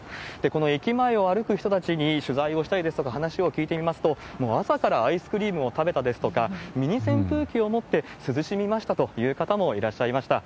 この駅前を歩く人たちに取材をしたりですとか、話を聞いてみますと、もう朝からアイスクリームを食べたですとか、ミニ扇風機を持って涼しみましたという方もいらっしゃいました。